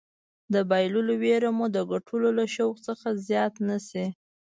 د بایللو ویره مو د ګټلو له شوق څخه زیاته نه شي.